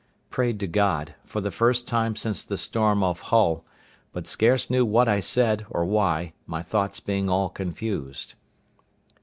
Prayed to God, for the first time since the storm off Hull, but scarce knew what I said, or why, my thoughts being all confused.